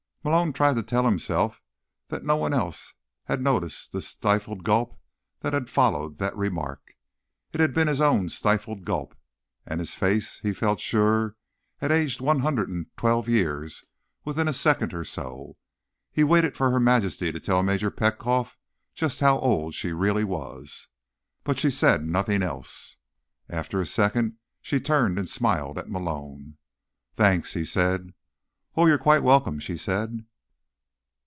Malone tried to tell himself that no one else had noticed the stifled gulp that had followed that remark. It had been his own stifled gulp. And his face, he felt sure, had aged one hundred and twelve years within a second or so. He waited for Her Majesty to tell Major Petkoff just how old she really was.... But she said nothing else. After a second she turned and smiled at Malone. "Thanks," he said. "Oh, you're quite welcome," she said.